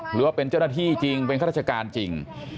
หรือว่าเป็นเจ้าหน้าที่จริงเป็นข้าราชการจริง